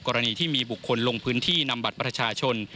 กรณีที่มีบุคคลลงพื้นที่นำบัตรประชาชน